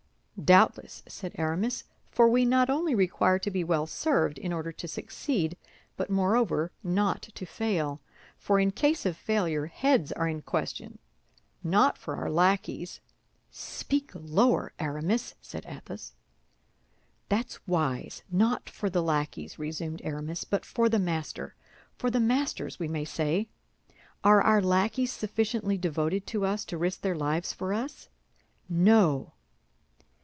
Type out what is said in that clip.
"Doubtless," said Aramis, "for we not only require to be well served in order to succeed, but moreover, not to fail; for in case of failure, heads are in question, not for our lackeys—" "Speak lower, Aramis," said Athos. "That's wise—not for the lackeys," resumed Aramis, "but for the master—for the masters, we may say. Are our lackeys sufficiently devoted to us to risk their lives for us? No."